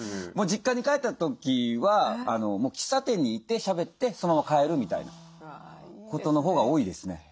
実家に帰った時はもう喫茶店に行ってしゃべってそのまま帰るみたいなことのほうが多いですね。